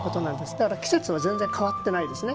だから、季節は全然変わってないですね